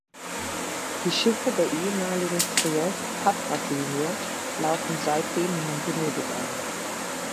Die Schiffe der ehemaligen Triest–Patras-Linie laufen seitdem nun Venedig an.